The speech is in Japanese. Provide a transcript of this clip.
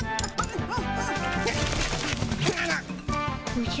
おじゃ？